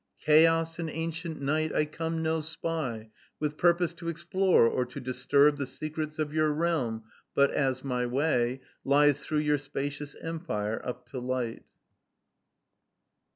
"Chaos and ancient Night, I come no spy With purpose to explore or to disturb The secrets of your realm, but ......... as my way Lies through your spacious empire up to light."